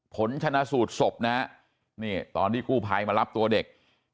ผลชนะสูตรศพนะฮะนี่ตอนที่กู้ภัยมารับตัวเด็ก